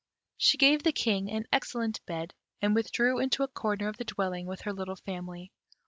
She gave the King an excellent bed, and withdrew into a corner of the dwelling with her little family.